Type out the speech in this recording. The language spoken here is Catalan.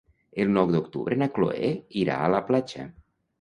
El nou d'octubre na Chloé irà a la platja.